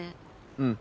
うん。